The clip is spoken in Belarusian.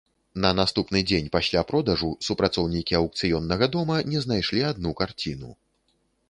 На наступны дзень пасля продажу супрацоўнікі аўкцыённага дома не знайшлі адну карціну.